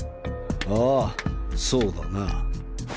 ああそうだな。